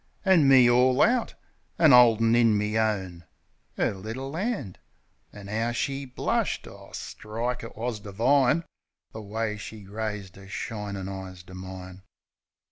An' me all out; an' 'oldin' in me own 'Er little 'and. An' 'ow she blushed! O, strike! it was divine The way she raised 'er shinin' eyes to mine.